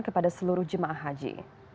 kepada seluruh jemaah haji